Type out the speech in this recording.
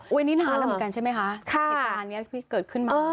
วันนี้นานแล้วเหมือนกันใช่ไหมคะเหตุการณ์นี้เกิดขึ้นมา